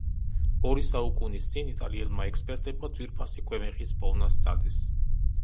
ორი საუკუნის წინ იტალიელმა ექსპერტებმა ძვირფასი ქვემეხის პოვნა სცადეს.